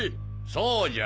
そうじゃ！